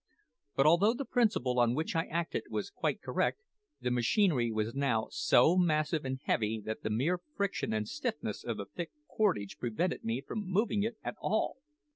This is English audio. But although the principle on which I acted was quiet correct, the machinery was now so massive and heavy that the mere friction and stiffness of the thick cordage prevented me from moving it at all.